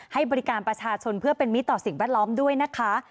ให้บริการประชาชนเพื่อเป็นมิตรต่อสิ่งแวดล้อมด้วยนะคะ